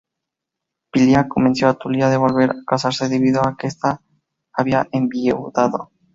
Pilia convenció a Tulia de volver a casarse debido a que esta había enviudado.